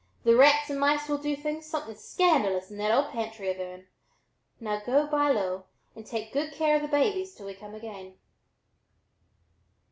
The rats and mice will do things, something scandalous, in that old pantry of hern. Now, go by low, and take good care of the babies till we come again."